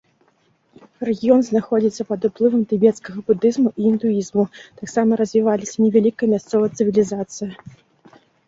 Рэгіён знаходзіўся пад уплывам тыбецкага будызму і індуізму, таксама развіваліся невялікая мясцовая цывілізацыя.